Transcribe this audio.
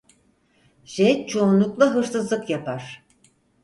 Jet çoğunlukla hırsızlık yapar.